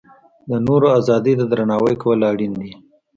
د نورو ازادۍ ته درناوی کول اړین دي.